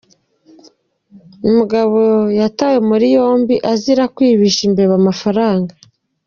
Umugabo yatawe muri yombi azira kwibisha imbeba amafaranga .